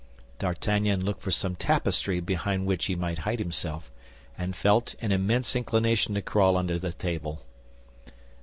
D'Artagnan looked for some tapestry behind which he might hide himself, and felt an immense inclination to crawl under the table.